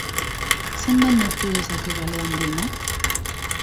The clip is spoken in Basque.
Zenbat neurtu dezake bale handienak?